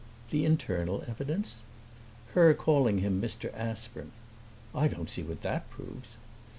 "The internal evidence?" "Her calling him 'Mr. Aspern.'" "I don't see what that proves."